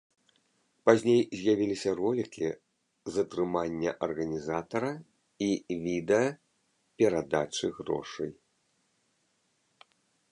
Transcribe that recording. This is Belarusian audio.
Пазней з'явіліся ролікі, затрымання арганізатара і відэа перадачы грошай.